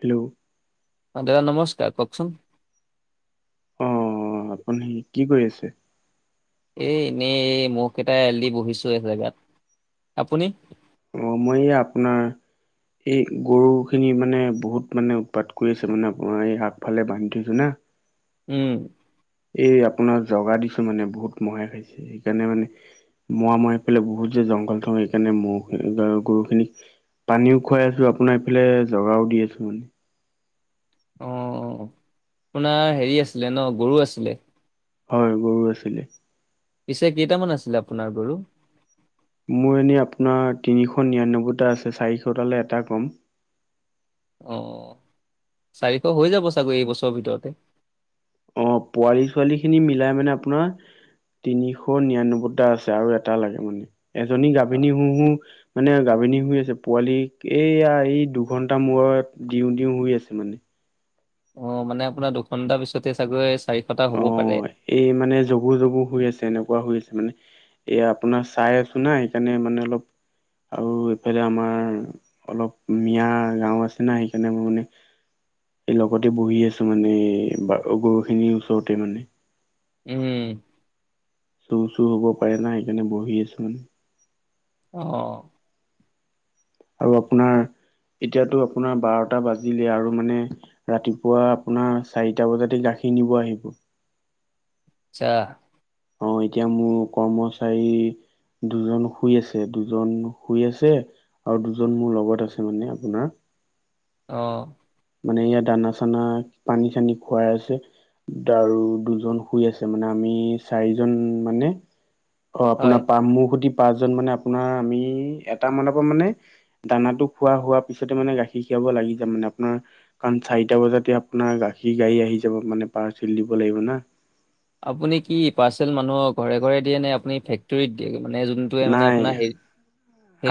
Hello অঁ দাদা নমস্কাৰ কওঁক চোন? অঁ, আপুনি কি কৰি আছে? এই এনেই এই মোকেইটা এল ডি বহিছো এ জেগাত, আপুনি? অঁ, মই এই আপোনাৰ এই গৰুখিনি মানে বহুত মানে উৎপাত কৰি আছে, মানে মই আপোনাৰ এই আগফালে বান্ধি থইছো না উম। এই আপোনাৰ জগা দিছো মানে, বহুত মহে খাইছে সেইকাৰণে মানে মই আমাৰ ইফালে বহুত যে জংঘল থওঁ, সেইকাৰণে মহ গৰু খিনিক পানীও খুৱাই আছো, আপোনাৰ এইফালে জগাও দি আছো মানে। অঁ, আপোনাৰ হেৰি আছিলে ন গৰু আছিলে। হয় গৰু আছিলে। পিছে কেইটামান আছিলে আপোনাৰ গৰু? মোৰ এনেই আপোনাৰ তিনিশ নিৰান্নব্বৈটা আছে চাৰিশটালৈ এটা ক'ম। অঁ, চাৰিশ হৈ যাব চাগৈ এইবছৰৰ ভিতৰতে। অঁ, পোৱালি ছোৱালী খিনি মিলাই মানে আপোনাৰ তিনিশ নিৰান্নব্বৈটা আছে, আৰু এটা লাগে মানে এজনী অ', গাভিনী হু হু মানে গাভিনী হয় আছে, পোৱালী এইয়া এই দুঘন্টা মূৰত দিও -দিও হয় আছে মানে। অঁ, মানে আপোনাৰ দুঘণ্টা পিছতে চাগৈ চাৰিশটা অ হ'ব পাৰে। এই মানে জগো-জগো হৈ আছে, এনেকুৱা হৈ আছে মানে। এয়া আপোনাৰ চাই আছো না সেইকাৰণে মানে অলপ আৰু এইফালে আমাৰ- অলপ মিয়া গাওঁ আছে না সেইকাৰণে মোৰ মানে- লগতে বহি আছো মানে বা গৰুখিনিৰ ওচৰতে মানে। উম। চোৰ- চোৰ হ'ব পাৰে না সেইকাৰণে বহি আছোঁ। অঁ। আৰু আপোনাৰ এতিয়াতো আপোনাৰ বাৰটা বাজিলে আৰু মানে- ৰাতিপুৱা আপোনাৰ চাৰিটা বজাতে গাখীৰ নিব আহিব। আচ্ছা। অঁ, এতিয়া মোৰ কৰ্মচাৰী- দুজন শুই আছে, দুজন শুই আছে- আৰু দুজন মোৰ লগত আছে মানে আপোনাৰ- অঁ। মানে ইয়াত দানা- চানা, পানী- চানী খুৱাই আছে। আৰু দুজন শুই আছে মানে আমি চাৰিজন মানে- অঁ, হয়। আপোনাৰ প মোৰ সুতি পাঁচজন মানে আপোনাৰ আমি এটা মানৰ পৰা মানে- দানাটো খোৱা হোৱা পিছতে মানে গাখীৰ খীৰাব লাগি যাম মানে। আপোনাৰ কাৰণ চাৰিটা বজাতে আপোনাৰ গাখীৰ গাড়ী আহি যাব মানে পাৰ্চেল দিব লাগিব না। আপুনি কি, পাৰ্চেল মানুহক ঘৰে ঘৰে দিয়ে নে আপুনি ফেক্টৰীত দিয়ে মানে যোন- নাই,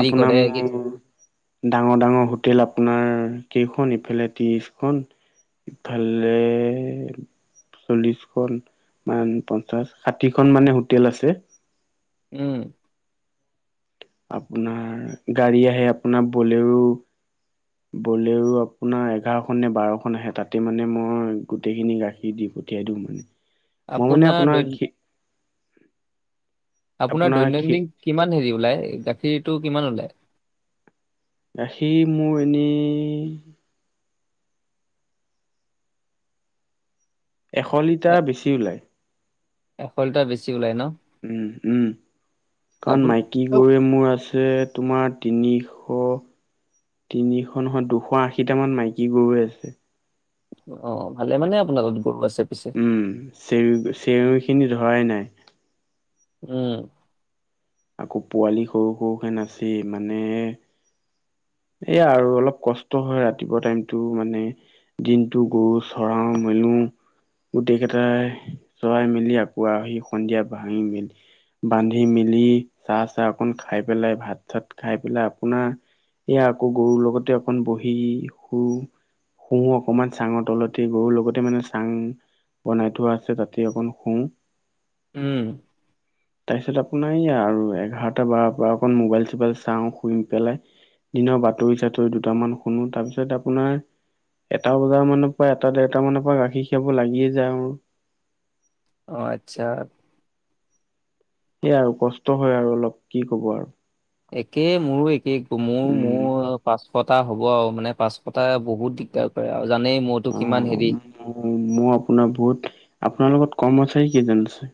আপোনাৰ কৰে কি মোৰ- ডাঙৰ -ডাঙৰ হোটেল আপোনাৰ কেইখন, ইফালে ত্ৰিশখন- ইফালে - চল্লিশখন, মান পঞ্চাশ, ষাঠিখন মানে হোটেল আছে। উম। আপোনাৰ গাড়ী আহে আপোনাৰ বলেৰো। বলেৰো আপোনাৰ এঘাৰখন নে বাৰখন আহে তাতে মানে মই গোটেইখিনি গাখীৰ দি- পঠিয়াই দিওঁ। মই মানে আপোনাৰ দৈন, খি আপোনাৰ দৈনন্দিন- কিমান হেৰি ওলাই, গাখীৰটো কিমান ওলায়? গাখীৰ মোৰ এনেই- এশ এ লিটাৰ বেছি ওলায়। এশ লিটাৰ বেছি ওলায় ন? উম, উম। কাৰণ আপুনি মাই- কী অ' গৰুৱে মোৰ আছে তোমাৰ তিনিশ- তিনিশ নহয়, দুশ আশীটামান মাইকী গৰুৱে আছে। অঁ, ভালে মানে আপোনালকৰ গৰু আছে পিছে। উম, চে -চেউৰীখিনি ধৰাই নাই। উম। আকৌ পোৱালি সৰু সৰুখিনি আছেই। মানে- এইয়া আৰু অলপ কষ্ট হয় ৰাতিপুৱা টাইমটো মানে- দিনটো গৰু চৰাওঁ, মেলো। গোটেইকেইটাই চৰাই মেলি আকৌ আহি সন্ধিয়া বান্ধি মেলি- বান্ধি মেলি, চাহ, চাহ অকন খাই পেলাই, ভাত-চাত খাই পেলাই আপোনাৰ এয়া আকৌ গৰুৰ লগতে অকণ বহি, শু শু, অকণমান চাঙৰ তলতে গৰুৰ লগতে, মানে চাং বনাই থোৱা আছে, তাতে অকণ শু। উম, তাৰপিছত আপোনাৰ এইয়া আৰু এঘাৰটা, বাৰ পৰা অকণ মোবাইল-চোবাইল চাওঁ শুই পেলাই। দিনৰ বাতৰি-চাতৰি দুটামান শুনো, তাৰপিছত আপোনাৰ এটা বজাৰ মানৰ পৰা, এটা দেৰটা মানৰ পৰা, গাখীৰ খিয়াব লাগিয়ে যাওঁ। অ, আচ্ছা। এইয়া আৰু কষ্ট হয় আৰু অলপ কি ক'ব আৰু। একে, মোৰো একে কোমোৰ, উম মোৰ আৰু পাচ শটা হ'ব আৰু মানে পাঁচশটা বহুত দিগদাৰ কৰে আৰু জানেই মইতো কিমান হেৰি। মই আপোনাৰ বহুত, আপোনাৰ লগত কৰ্মচাৰী কেইজন আছে?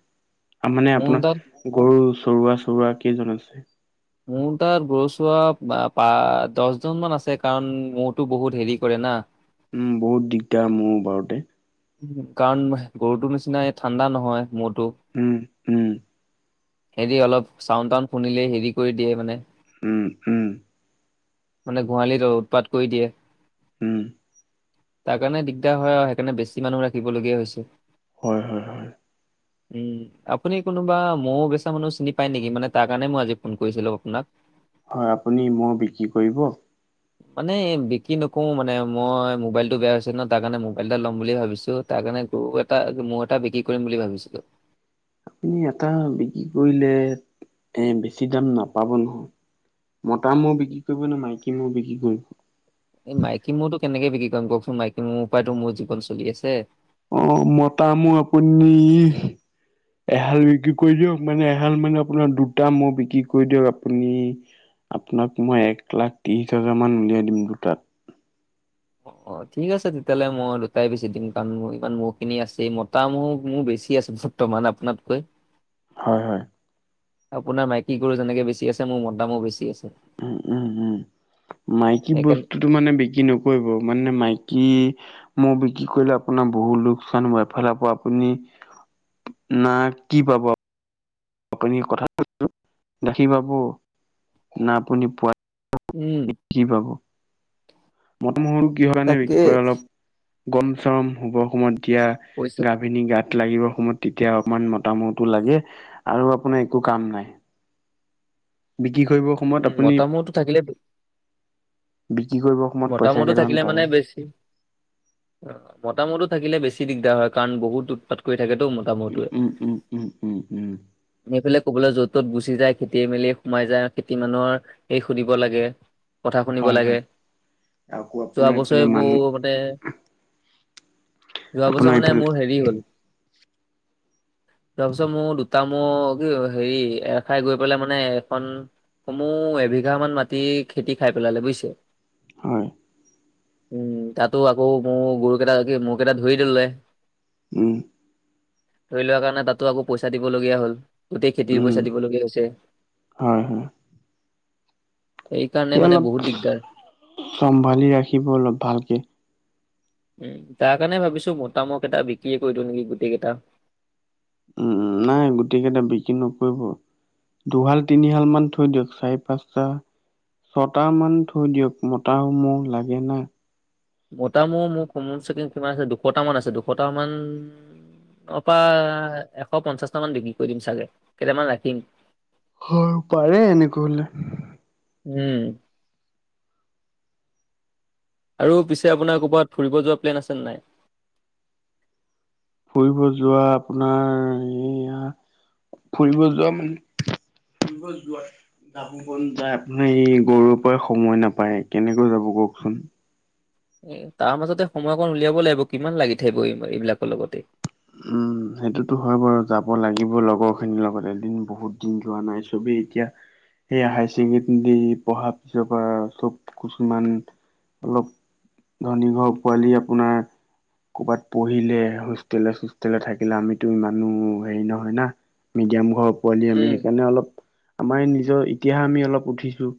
মানে মোৰ তাত আপোনাৰ গৰু চৰোৱা, চৰোৱা কেইজন আছে? মোৰ তাত গৰুচোৱা পা, দহজন মান আছে কাৰণ মোহটো বহুত হেৰি কৰে না। উম, বহুত দিগদাৰ, মহ বাৰোতে। কাৰণ গৰুটোৰ নিচিনাই ঠাণ্ডা নহয় মহটো। উম, উম হেৰি অলপ চাউণ্ড, টাউড শুনিলেই হেৰি কৰি দিয়ে মানে। উম, উম, মানে গোহালিত উৎপাত কৰি দিয়ে। উম, তাৰ কাৰণে দিগদাৰ হয় আৰু সেইকাৰণে বেছি মানুহ ৰাখিবলগীয়া হৈছে। হয়, হয়, হয়। উম, আপুনি কোনোবা মৌ বেচা মানুহ চিনি পায় নেকি, মানে তাৰ কাৰণে মই আজি ফোন কৰিছিলো আপোনাক। [inaudible] হয় আপুনি মৌ, বিক্ৰী কৰিব। মানে বিক্ৰী নকও মানে মই, মোবাইলটো বেয়া হৈছে ন, তাৰ কাৰণে মোবাইল এটা ল'ম বুলি ভাবি ছো, তাৰ কাৰণে গৰু এটা, মোৰ এটা বিক্ৰী কৰিম বুলি ভাবিছিলো। আপুনি এটা বিক্ৰী কৰিলে এ, বেছি দাম নাপাব নহয়। মতা ম'হ বিক্ৰী কৰিব নে, মাইকী ম'হ বিক্ৰী কৰিব? এই মাইকী ম'হটো বিক্ৰী কৰিম কওঁকচোন, মাইকী ম'হটো পৰাইটো মোৰ জীৱন চলি আছে। অ, মতা ম'হ আপুনি এহাল বিক্ৰী কৰি দিয়ক, মানে এহাল মানে আপোনাৰ দুটা মহ বিক্ৰী কৰি দিয়ক আপুনি আপোনাক মই এক লাখ ত্ৰিশ হাজাৰ মান উলিয়াই দিম দুটাত। অ, অ, ঠিক আছে তেতিয়াহ'লে, মই দুটাই বেচি দিম কাৰণ মোৰ ইমান ম'হ খিনি আছেই মতা ম'হ মোৰ বেছি আছে। ত, মান আপোনাতকৈ। হয়, হয়। আপোনাৰ মাইকী গৰু যেনেকে বেছি আছে, মোৰ মতা ম'হ বেছি আছে। উম, উম, উম, মাইকি সেইকাৰণে বস্তু টো, মানে বিক্ৰী নকৰিব মানে মাইকী ম'হ বিক্ৰী কৰিলে আপোনাৰ বহুত, লোকচান এফালৰ পৰা আপুনি না, কি পাব? আপুনি কথা এটা, গাখীৰ পাব না‌ আপুনি পোৱা উম কি কি পাব, মন মহৰু কিহৰ কাৰণে তাকে বিক্ৰী কৰে অলপ গম চম হ'বৰ সময়ত দিয়া। পইচা গাভিনী গাত, লাগিব সময়ত তেতিয়া অকমান মতামহতো লাগে আৰু আপোনাৰ একো কাম নাই। বিক্ৰী কৰিবৰ সময়ত উম আপুনি মতামতো থাকিলে বিক্ৰী কৰিব, সময়ত পইচা মটামহ টো কেইটামান থাকিলে পাব মানে বেছি। অ মতামতো থাকিলে বেছি দিগদাৰ হয় কাৰণ বহুত উটপাত কৰি থাকেতো মত, মতা ম‌টোৱে, উম উম উম উম উম উম নি পেলাই ক'বলৈ য'ত ত'ত গুচি যায় খেতিয়ে মেলি সোমাই যায় আৰু খেতি মানুহৰ, এ সুধিব লাগে কথা শুনিব হয় হয় লাগে। আকৌ যোৱা আপোনাৰ এইফালে বছৰে বৌ মানুহ হতে, যোৱা আপোনাৰ বছৰ মানে এইফালে মোৰ হেৰি হ'ল। জোৱা বছৰ মোৰ দুটা মহ কি হেৰি এৰখাই গৈ পেলাই মানে এখন, কমো এবিঘা মান মাটি খেতি খাই পেলালে বুজিছে। হয়। উম তাতো আকৌ মোৰ গৰু কেইটা কি মোৰ কেইটা ধুৰি দিলে। উম, ধৰি লোৱা কাৰণে তাতো আকৌ পইচা দিবলগীয়া হ'ল। গোটেই খেতিৰ উম পইচা দিবলগীয়া হৈছে। হয় হয় সেইকাৰণে সেই মানে অলপ বহুত দিগদাৰ। চম্ভালি ৰাখিব অলপ ভালকে। উম তাৰ কাৰণে ভাবিছো মতামৰ কেইটা বিক্ৰী কৰি দিওঁ নেকি গোটেই কেইটা, উম উম নাই গোটেই কেইটা বিক্ৰী নকৰিব। দুহাল তিনিশাল মান থৈ দিয়ক চাৰি পাঁচটা। ছটামান মান থৈ দিয়ক মতাসমূহ লাগে ন। মতা মোৰ মোৰ কম চকং কিমান আছে দুশটামান আছে দুশটা মান, তাৰ অপ এশ পঞ্চাশটা মান বিক্ৰী কৰি দিম চাগে কেইটামান ৰাখিম। হয় পাৰে এনেকুৱা হলে, উম আৰু পিছে আপোনাৰ ক'ৰবাত ফুৰিব যোৱা প্লেন আছেনে নাই। ফুৰিব যোৱা আপোনাৰ এইয়া। ফুৰিব যোৱা মানে ফুৰিব যোৱা। যায় আপোনাৰ এই গৰুৰ পৰা সময় নাপায় কেনেকৈ যাব কওকচোন। এ তাৰ মাজতে সময় অকণ উলিয়াব লাগিব কিমান লাগি থাকিব এই এইবিলাকৰ লগতে। উম সেইটোতো হয় বাৰু যাব লাগিব লগৰখিনিৰ লগত এদিন বহুত, দিন যোৱা নাই চবেই এতিয়া, সেই হায়াৰ ছেকেণ্ডৰী পঢ়াৰ পিছৰ পৰা চব কিছুমান, অলপ ধনী ঘৰ পোৱালি আপোনাৰ কৰ'বাত পঢ়িলে হোষ্টেলে চোষ্টলে থাকিলে আমিতো ইমানো হেৰি নহয় না মিডিয়াম ঘৰ, পোৱালি আমি উম, সেইকাৰণে অলপ আমাৰ নিজৰ এতিয়া আমি অলপ উঠিছো,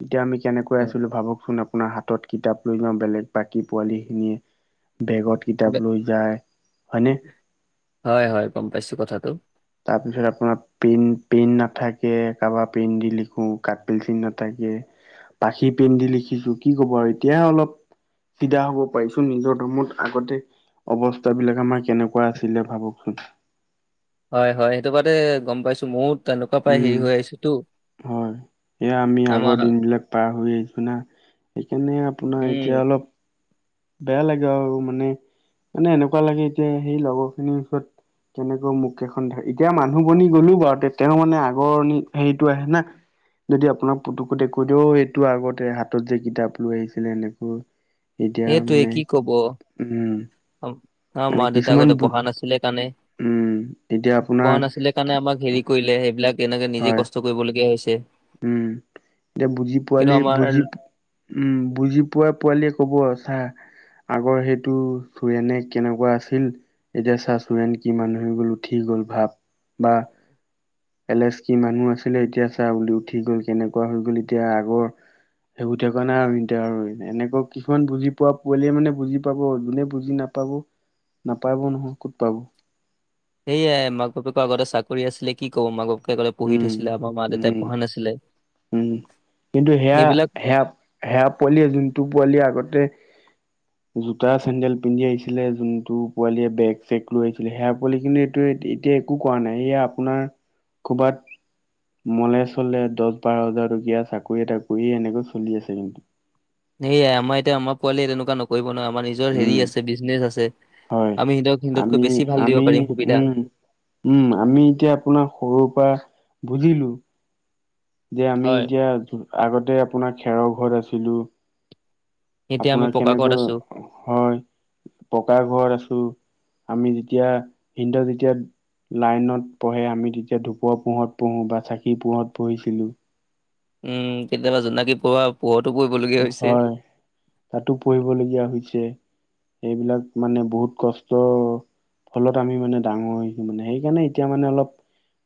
তেতিয়া আমি কেনেকৈ উম, আছিলো ভাবকচোন আপোনাৰ হাতত কিতাপ লৈ যাওঁ বেলেগ বাকী পোৱালি খিনিয়ে। বেগত কিতাপ বে- লৈ যায় হয়নে। হয় হয় গম পাইছো কথাটো। তাৰ পিছত আপোনাৰ পেইন পেইন নাথাকে কাৰোবাৰ পেইন দি লিখো কাঠ পেঞ্চিল নাথাকে। পাখি পিন্ধি লিখিছো কি ক'ব আৰু এতিয়া অলপ, চিধা হ'ব পাৰিছো, নিজৰ দোমত আগতে অৱস্থা বিলাক আমাৰ কেনেকুৱা আছিলে, ভাবকচোন। হয়, হয় সেইটো বাদে গম পাইছো। মোউ তেনেকুৱা পাই উম, হেৰি হৈ আহিছো তো। হয়, এয়া আমি আগৰ দিনবিলাক পাহৰি আহিছোঁ না। সেইকাৰণে আপোনাৰ এতিয়া উম, অল বেয়া লাগে আৰু মানে। মানে এনেকুৱা লাগে এতিয়া সেই লগৰ খিনি ওচৰত কেনেকৈ মুখ কেইখন থাক। এতিয়া মানুহ বনি গ'লো বাৰু তেতিআওঁ মানে আগৰণি হেৰিটো আহে না। যদি আপোনাক পুটুকৈ দেখুৱাই দিও, এইটো আগতে হাতত যে কিতাপ লৈ আহিছিলে এনেকৈ। এতিয়া মানে, উম'। আ, মানে মা-দেউতা কিছুমান আগতে বু পহা নাছিলে কাণে। উম, এতিয়া আপোনাৰ পহা নাছিলে কাণে কি আমাক হেৰি কৰিলে, সেইবিলাক এনেকে নিজে হয় কষ্ট কৰিবলগীয়া হৈছে। উম', এতিয়া বুজি কিন্তু পোৱালি আমাৰ বুজি পু উম', বুজি পোৱা পোৱালিয়ে কব চা আগৰ সেইটো [unintelligible] কেনেকুৱা আছিল। এতিয়া চা চোৰেন কি মানু হৈ গল, উঠি গল ভাপ। বা এলেচ কি মানুহ আছিলে এতিয়া চা বুলু উঠি গল, কেনেকুৱা হৈ গল, এতিয়া আগৰ [unintelligible] [unintelligible] এনেকুৱা কিছুমান বুজি পোৱা পোৱালিয়ে মানে বুজি পাব। যোনে বুজি নাপ পাব, নাপাইব নহ। ক'ত পাব। সেয়াই মাক-বাপেক আগতে চাকৰি আছিলে কি ক'ব মাক-বাপ [unintelligible] পহি উম থৈছিলে, আমাৰ মা-দেউতাই উম পহা নাছিলে। উম কিন্তু সেয়া, সেইবিলাক সেয়া, সেয়া পোৱালিয়ে যোনটো পোৱালিয়ে আগতে [unintelligible] জোতা, চেণ্ডেল পিন্ধি আহিছিলে, যোনটো পোৱালিয়ে বেগ-চেগ লৈ আহিছিলে, সেয়া পোৱালি কিন্তু এইটো এতি এতিয়া একো কোৱা নাই, এয়ে আপোনাৰ খোবাত মলে-চলে দচ, বাৰ হাজাৰ টকীয়া চাকৰি এটা কৰি এনেকৈ চলি আছে কিন্তু। সেয়াই, আমাৰ এতিয়া আমাৰ পোৱালিয়ে তেনেকুৱ নকৰিব নহয়, আমাৰ নিজ নিজ হেৰি উম আছে বিজনেচ আছে, হয় আমি সিহঁতক সিহততকৈ আমি বেছি ভাল দিব আমি পাৰিম সুবিধা। উম উম', আমি এতিয়া আপোনাক সৰুৰ পাৰা বুজিলো। যে আমি হয়, এতিয়া, আগতে আপোনাৰ খেৰৰ ঘৰত আছিলো। এতিয়া আমি আপোনাৰ পকা ঘৰত কেনেকৈ হয় [inaudible] পকা ঘৰত আছো। আমি যেতিয়া, তিনটা যেতিয়া লাইনত পহে, আমি তেতিয়া ধূপৰ পোহৰত পহোঁ, বা চাকি পোহৰত পহিছিলোঁ। উম', কেতিয়াবা জোনাকি পোৰুৱা পোহৰটো পহিব লগিয়া। হয়, তাতো পঢ়িবলগীয়া হৈছে। সেইবিলাক মানে বহুত কষ্ট ফলত আমি মানে, ডাঙৰ হৈছো মানে, সেইকাৰণে এতিয়া মানে, অলপ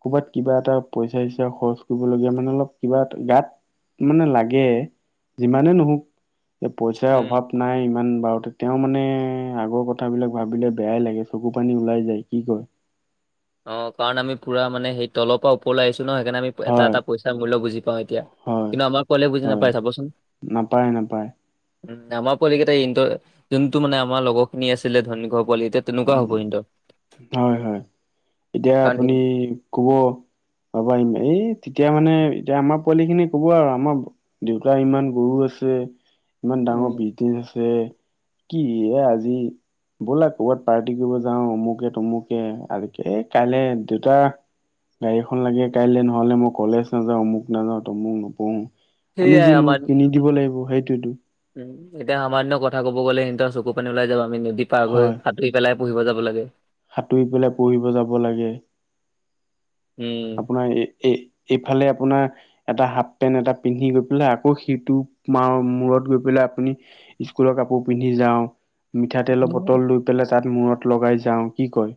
ক'ৰবাত কিবা এটা পইচা-চইচা খৰচ কৰিবলগীয়া মানে অলপ কিবা এটা গাত মানে লাগে, যিমানে নহওক পইচাৰ উম, অভাৱ নাই ইমান বাৰু তে তেওঁ মানে আগৰ কথাবিলাক ভাবিলে বেয়াই লাগে। চকু পানী ওলাই যায়। কি কয়? অ', কাৰণ আমি ফুৰা মানে সেই তলৰ পা ওপৰলে আহিছোঁ ন, সেইকাণে আমি এটা হয় এটা পইচা মূল্য বুজি পাওঁ এতিয়া। হয় কিন্তু আমাৰ পোৱালিএ বুজি হয় নাপায়, চাবচোন। নাপায় নাপায় উম', আমাৰ পোৱালিকেইটাই ইনত যোনটো মানে আমাৰ লগৰখিনি আছিলে-ধনী ঘৰ পোৱালি। এতিয়া তেনেকুৱা উম হ'ব ইহনতেওঁ। হয়, হয় তেতিয়া কাৰণ আপুনি কব পাবা আহিম এই তেতিয়া মানে এতিয়া আমাৰ পোৱালি খিনি কব আৰু আমাৰ দেউতাৰ ইমান গৰু আছে। ইমান ডাঙৰ উম, বিজনেচ আছে কি এ আজি ব'লা ক'ৰবাত পাৰ্টি কৰিব যাওঁ অমুকে তুমুকে আজি এই কাইলৈ দেউতা গাড়ীখন লাগে কাইলৈ নহলে মই কলেজ নাযাওঁ অমুক নাযাও তমুক নপঢ়ো আমি সেইয়াই যিনহওক আমাৰ কিনি দিব লাগিব সেইটোতো উম এতিয়া আমাৰ দিনৰ কথা কব গলে সিহঁতৰ চকু পানী ওলাই যাব আমি নদী পাৰ হৈ হয় সাতুৰি পেলাই পঢ়িব যাব লাগে। সাঁতুৰি পেলাই পঢ়িব যাব লাগে। উম আপোনাৰ এ এইফালে আপোনাৰ এটা হাফ পেন্ট এটা পিন্ধি গৈ পেলাই আকৌ সিটো মাৰ মূৰত গৈ পেলাই আপুনি স্কুলৰ কাপোৰ পিন্ধি যাওঁ, মিঠাতেল বটল লৈ পেলাই তাত মূৰত লগাই যাওঁ কি কয়?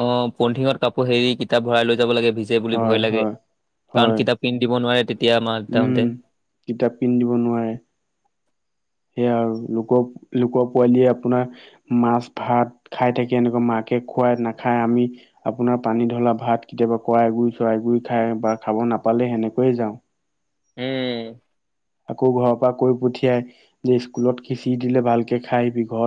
অ পলিঠিঙত কাপোৰ হেৰি কিতাপ ভৰাই লৈ যাব লাগে ভিজে বুলি হয় ভয় লাগে। হয় কাৰণ হয় কিতাপ কিনি দিব নোৱাৰে তেতিয়া মা উম দেউতাহঁতে। কিতাপ কিনি দিব নোৱাৰে। সেয়াই আৰু লোকৰ লোকৰ পোৱালিয়ে আপোনাৰ মাছ ভাত খাই থাকে এনেকুৱা মাকে খুৱাই নাখায় আমি আপোনাৰ পানী ধৰা ভাত কেতিয়াবা কৰাই গুৰি, চৰাই গুৰি খাই বা খাব নাপালে সেনেকৈয়ে যাওঁ উম আকৌ ঘৰৰ পৰা কৈ পঠিয়াই যে স্কুলত খিচিৰি দিলে ভালকে খাই আহিবি ঘৰত